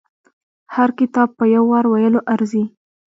هر کتاب په يو وار ویلو ارزي.